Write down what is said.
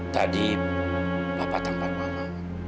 tadi bapak tampak mama